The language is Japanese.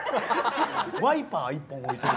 ワイパー１本置いてる。